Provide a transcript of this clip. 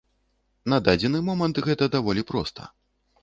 На дадзены момант гэта даволі проста.